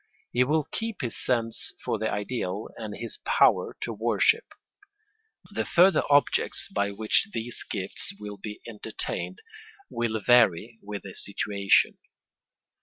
He will keep his sense for the ideal and his power to worship. The further objects by which these gifts will be entertained will vary with the situation.